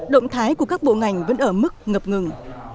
động thái của các bộ ngành vẫn ở mức ngập ngừng